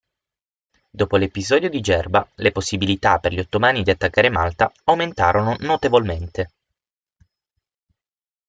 Dopo l'episodio di Gerba, le possibilità per gli ottomani di attaccare Malta aumentarono notevolmente.